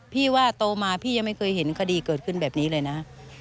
พี่ว่าโตมาพี่ยังไม่เคยเห็นคดีเกิดขึ้นแบบนี้เลยนะ